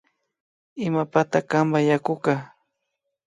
Imapata kanka yakuka